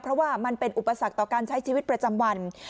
เพราะว่ามันเป็นอุปสรรคต่อการใช้ชีวิตประจำวัน